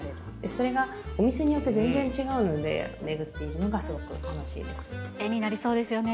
それがお店によって全然違うので、絵になりそうですよね。